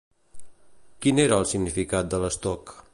Quin era el significat de l'estoc?